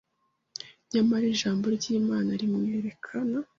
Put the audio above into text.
nyamara ijambo ry’Imana rimwerekana